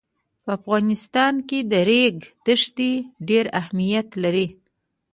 په افغانستان کې د ریګ دښتې ډېر اهمیت لري.